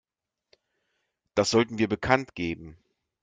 Das sollten wir bekanntgeben.